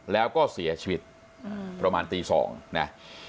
แล้วก็เสียชีวิตประมาณตี๒นะ